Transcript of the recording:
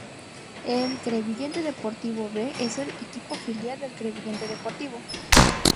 El Crevillente Deportivo "B", es el equipo filial del Crevillente Deportivo.